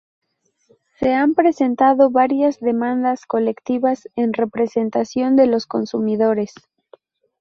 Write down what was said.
Se han presentado varias demandas colectivas en representación de los consumidores.